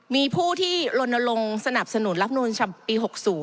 มีผู้ที่ลนลงสนับสนุนรับหนุนปี๖๐